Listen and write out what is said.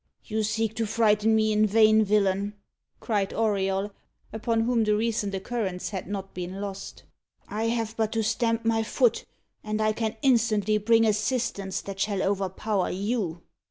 "You seek to frighten me in vain, villain," cried Auriol, upon whom the recent occurrence had not been lost. "I have but to stamp my foot, and I can instantly bring assistance that shall overpower you."